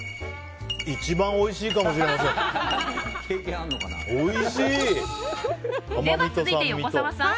一番おいしいかもしれません。